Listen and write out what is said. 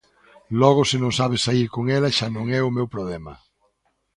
Logo se non sabes saír con ela xa non é o meu problema.